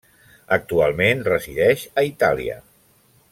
Actualment resideix a Itàlia.